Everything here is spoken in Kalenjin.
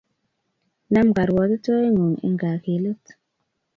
Nam karuatitoet ngung eng kakilet